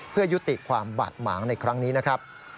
เพื่อยุติความบาดหมางในครั้งนี้นะครับ